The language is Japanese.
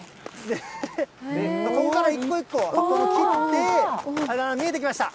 ここから一個一個葉っぱも切って、見えてきました。